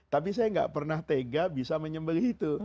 tapi saya gak pernah tega bisa menyembelih itu